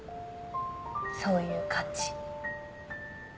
そういう感じ。